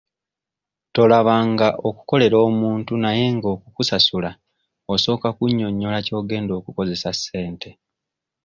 Tolabanga okukolera omuntu naye ng'okukusasula osooka kunnyonyola ky'ogenda okukozesa ssente.